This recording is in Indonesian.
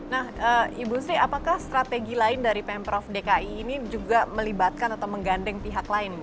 nah ibu sri apakah strategi lain dari pemprov dki ini juga melibatkan atau menggandeng pihak lain